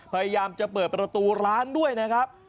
พยายามจะเปิดประตูร้านด้วยนะครับ